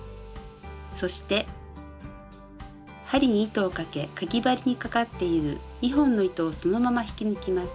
そして針に糸をかけかぎ針にかかっている２本の糸をそのまま引き抜きます。